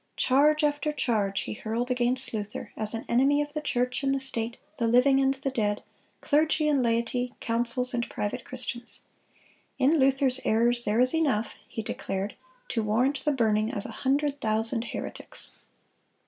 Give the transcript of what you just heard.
Charge after charge he hurled against Luther as an enemy of the church and the state, the living and the dead, clergy and laity, councils and private Christians. "In Luther's errors there is enough," he declared, to warrant the burning of "a hundred thousand heretics."